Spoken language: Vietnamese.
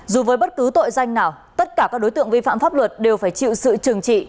dù với bất cứ tội danh nào tất cả các đối tượng vi phạm pháp luật đều phải chịu sự trừng trị